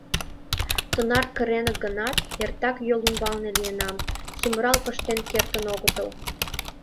Тынар кыреныт гынат, эртак йол ӱмбалне лийынам, сӱмырал пыштен кертын огытыл.